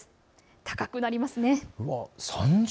高くなりますね。